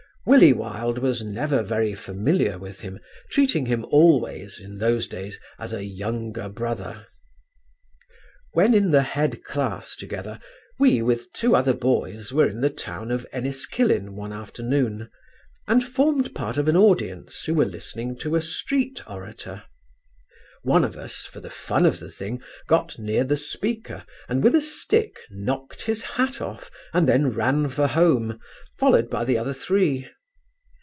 "Willie Wilde was never very familiar with him, treating him always, in those days, as a younger brother.... "When in the head class together, we with two other boys were in the town of Enniskillen one afternoon, and formed part of an audience who were listening to a street orator. One of us, for the fun of the thing, got near the speaker and with a stick knocked his hat off and then ran for home followed by the other three.